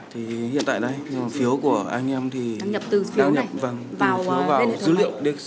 hiện tại đây nhưng mà phiếu của anh em thì đang nhập vào dữ liệu dc một